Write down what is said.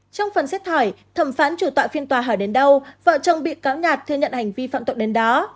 trong phần xét hỏi thẩm phán chủ tọa phiên tòa hỏi đến đâu vợ chồng bị cáo nhạt thừa nhận hành vi phạm tội đến đó